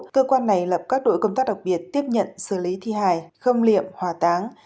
cơ quan này lập các đội công tác đặc biệt tiếp nhận xử lý thi hài khâm liệm hòa táng